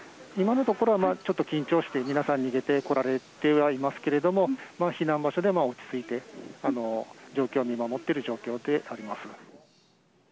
今のところはちょっと緊張して、皆さん逃げてこられてはいますけれども、避難場所でも落ち着いて、状況を見守っている状況であります。